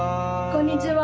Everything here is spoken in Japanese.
こんにちは。